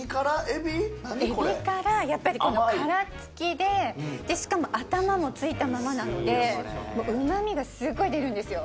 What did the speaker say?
えびからやっぱりこの殻付きでしかも頭も付いたままなのでうまみがすっごい出るんですよ